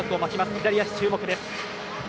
左足、注目です。